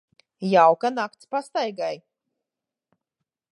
Jauka nakts pastaigai.